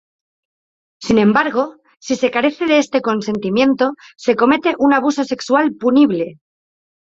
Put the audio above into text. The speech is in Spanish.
Sin embargo, si se carece de este consentimiento, se comete un abuso sexual punible.